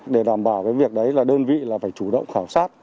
để đảm bảo việc đấy là đơn vị phải chủ động khảo sát